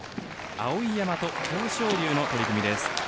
碧山と豊昇龍の取組です。